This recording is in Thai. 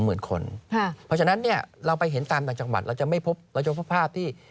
เพราะฉะนั้นเนี่ยเราไปเห็นตามต่างจังหวัดเราจะไม่พบเราจะพบภาพที่